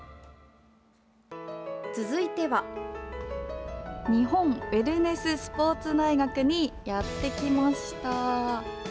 続いては。日本ウェルネススポーツ大学にやってきました。